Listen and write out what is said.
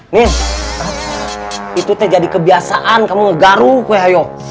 nien itu jadi kebiasaan kamu ngegaru kue hayo